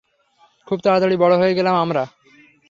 খুব তারাতাড়ি বড় হয়ে গেলাম আমরা!